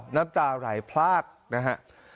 น้ำตาไหลพลากนะฮะ